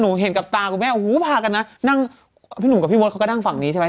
เห็นกับตาคุณแม่โอ้โหพากันนะนั่งพี่หนุ่มกับพี่มดเขาก็นั่งฝั่งนี้ใช่ไหม